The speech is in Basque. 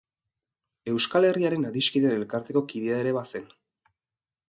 Euskal Herriaren Adiskideen Elkarteko kidea ere bazen.